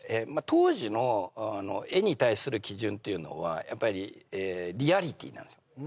当時の絵に対する基準っていうのはやっぱりリアリティなんですよ